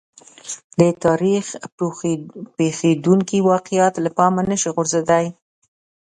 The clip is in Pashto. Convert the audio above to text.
د تاریخ پېښېدونکي واقعات له پامه نه شي غورځېدای.